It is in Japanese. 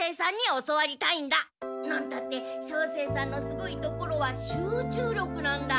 なんたって照星さんのすごいところは集中力なんだ。